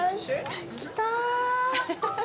来た。